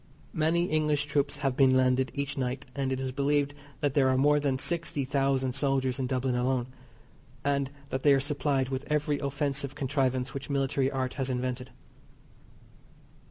Many English troops have been landed each night, and it is believed that there are more than sixty thousand soldiers in Dublin alone, and that they are supplied with every offensive contrivance which military art has invented.